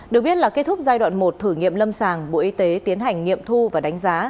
được biết là kết thúc giai đoạn một thử nghiệm lâm sàng bộ y tế tiến hành nghiệm thu và đánh giá